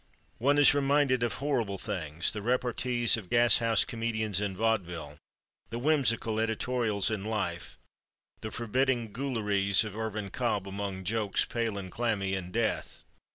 One is reminded of horrible things—the repartees of gas house comedians in vaudeville, the whimsical editorials in Life, the forbidding ghoul eries of Irvin Cobb among jokes pale and clammy in death....